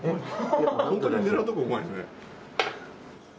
ホントに狙うとこうまいですね。